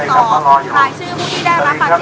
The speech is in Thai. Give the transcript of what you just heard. สวัสดีครับ